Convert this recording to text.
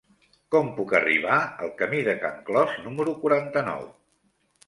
Com puc arribar al camí de Can Clos número quaranta-nou?